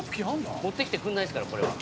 「持ってきてくれないですからこれは」